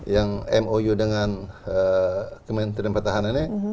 yang mou dengan kementerian pertahanan ini